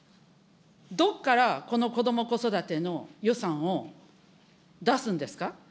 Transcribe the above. どこからこのこども・子育ての予算を出すんですか。